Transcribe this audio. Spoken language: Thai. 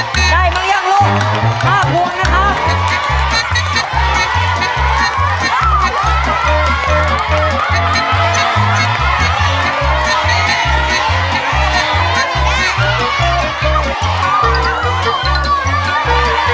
๕พวงนะครับ